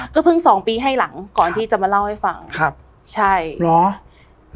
ก็เพิ่งสองปีให้หลังก่อนที่จะมาเล่าให้ฟังครับใช่เหรอ